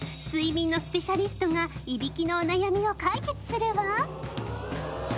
睡眠のスペシャリストがいびきのお悩みを解決するわ。